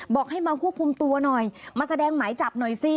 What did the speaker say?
บอกให้มาควบคุมตัวหน่อยมาแสดงหมายจับหน่อยสิ